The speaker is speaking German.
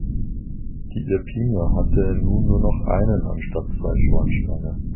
Die "Irpinia" hatte nun nur noch einen anstatt zwei Schornsteine.